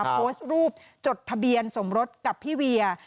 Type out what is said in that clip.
โพสต์รูปจดทะเบียนลข่าวศัพท์กับพี่เวีย